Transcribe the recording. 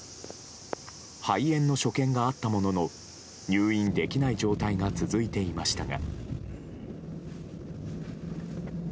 肺炎の所見があったものの入院できない状態が続いていましたが。